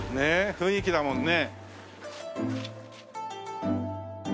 雰囲気だもんね。